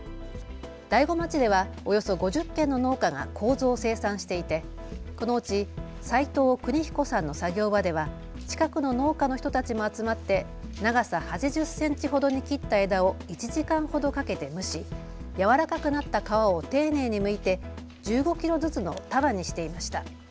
大子町ではおよそ５０軒の農家がこうぞを生産していてこのうち齋藤邦彦さんの作業場では近くの農家の人たちも集まって長さ８０センチほどに切った枝を１時間ほどかけて蒸し、柔らかくなった皮を丁寧にむいて、１５キロずつの束にしていました。